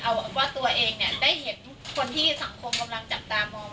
ว่าตัวเองได้เห็นคนที่สังคมกำลังจับตามมอง